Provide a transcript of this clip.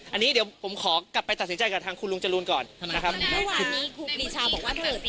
อันนี้เดี๋ยวผมขอกลับไปตัดสินใจกับทางคุณลุงจรูนก่อนทำไมครับท่านว่านี้ครูปีชาบอกว่าตัดสินนะคะ